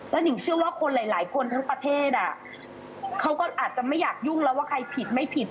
หนิงเชื่อว่าคนหลายคนทั้งประเทศเขาก็อาจจะไม่อยากยุ่งแล้วว่าใครผิดไม่ผิด